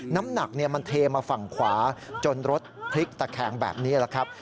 น้ำหนักมันเทมาฝั่งขวาจนรถพลิกตะแคงแบบนี้แหละครับ